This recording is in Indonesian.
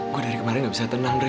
gua dari kemarin gak bisa tenang dre